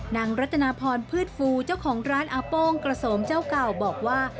รัตนาพรพืชฟูเจ้าของร้านอาโป้งกระโสมเจ้าเก่าบอกว่า